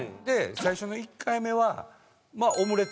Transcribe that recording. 最初の１回目は。